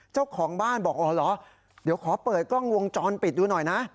เจ้าของบ้านบอกอ๋อเหรอเดี๋ยวขอเปิดกล้องวงจรปิดดูหน่อยนะ